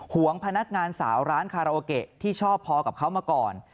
วงพนักงานสาวร้านคาราโอเกะที่ชอบพอกับเขามาก่อน